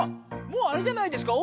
もうあれじゃないですか？